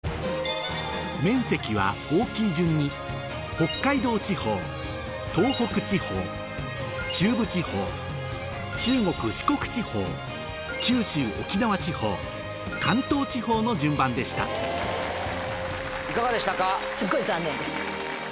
面積は大きい順に北海道地方東北地方中部地方中国・四国地方九州・沖縄地方関東地方の順番でしたいかがでしたか？